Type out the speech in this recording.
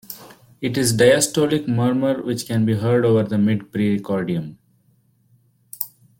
It is a diastolic murmur which can be heard over the mid-precordium.